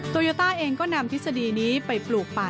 โยต้าเองก็นำทฤษฎีนี้ไปปลูกป่า